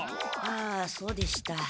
あそうでした。